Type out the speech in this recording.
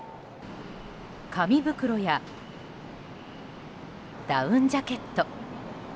紙袋や、ダウンジャケット。